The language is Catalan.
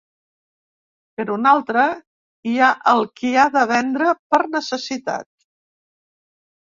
Per una altra, hi ha el qui ha de vendre per necessitat.